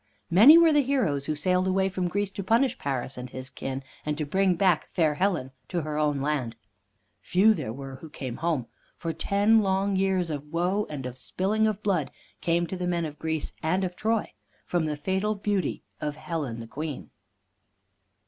Many were the heroes who sailed away from Greece to punish Paris and his kin, and to bring back fair Helen to her own land. Few there were who came home, for ten long years of woe and of spilling of blood came to the men of Greece and of Troy from the fatal beauty of Helen the queen.